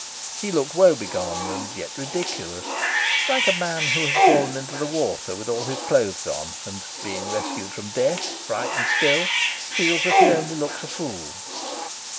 He looked woebegone and yet ridiculous, like a man who has fallen into the water with all his clothes on, and, being rescued from death, frightened still, feels that he only looks a fool.